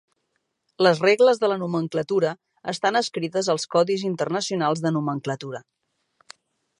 Les regles de la nomenclatura estan escrites als Codis Internacionals de Nomenclatura.